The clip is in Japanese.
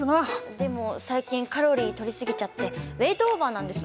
でも最近カロリーとり過ぎちゃってウエイトオーバーなんです。